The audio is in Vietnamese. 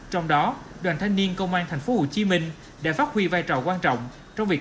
trong đó đoàn thanh niên công an thành phố hồ chí minh đã phát huy vai trò quan trọng trong việc